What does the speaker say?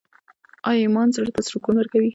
ایمان زړه ته سکون ورکوي؟